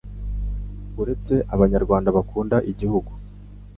uretse Abanyarwanda bakunda igihugu